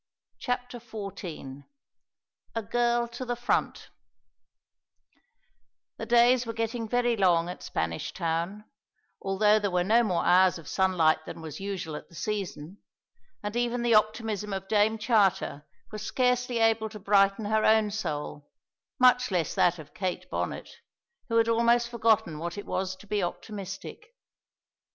CHAPTER XIV A GIRL TO THE FRONT The days were getting very long at Spanish Town, although there were no more hours of sunlight than was usual at the season; and even the optimism of Dame Charter was scarcely able to brighten her own soul, much less that of Kate Bonnet, who had almost forgotten what it was to be optimistic.